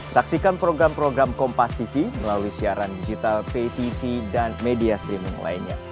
saksikan program program kompas tv melalui siaran digital pay tv dan media streaming lainnya